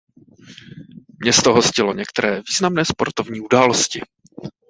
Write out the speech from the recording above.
Město hostilo některé významné sportovní události.